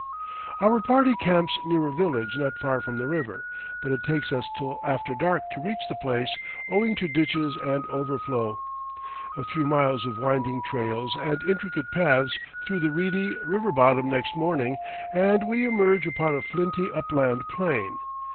Our party camps near a village not far from the river, but it takes us till after dark to reach the place, owing to ditches and overflow. A few miles of winding trails and intricate paths through the reedy river bottom next morning, and we emerge upon a flinty upland plain.